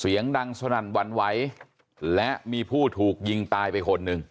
เสียงดังสนั่นหวั่นไหวและมีผู้ถูกยิงตายไปคนหนึ่ง